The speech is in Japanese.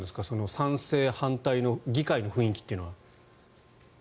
賛成、反対の議会の雰囲気というのは。